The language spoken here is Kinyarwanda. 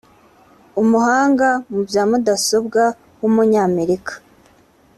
umuhanga mu bya mudasobwa w’umunyamerika